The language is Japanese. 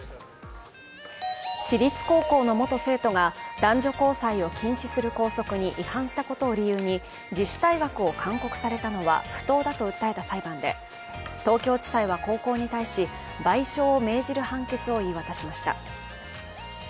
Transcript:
私立高校の元生徒が男女交際を禁止する校則に違反したことを理由に自主退学を勧告されたのは不当だと訴えた裁判で東京地裁は高校に対し賠償を命じる判決を言い渡しました。